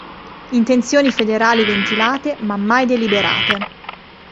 Intenzioni federali ventilate ma mai deliberate.